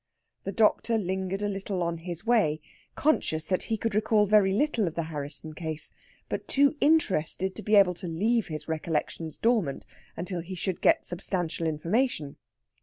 The doctor lingered a little on his way, conscious that he could recall very little of the Harrisson case, but too interested to be able to leave his recollections dormant until he should get substantial information.